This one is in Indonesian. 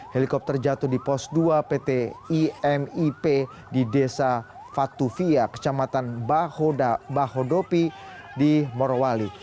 helikopter jatuh di pos dua pt imip di desa fatuvia kecamatan bahodopi di morowali